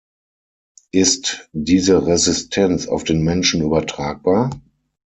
Ist diese Resistenz auf den Menschen übertragbar?